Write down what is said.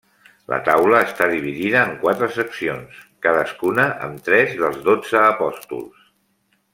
La taula està dividida en quatre seccions, cadascuna amb tres dels dotze apòstols.